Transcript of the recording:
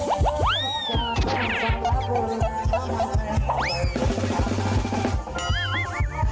โอ้โห้เฮ้ย